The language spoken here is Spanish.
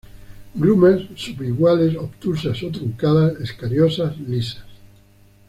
Glumas subiguales, obtusas o truncadas, escariosas, lisas.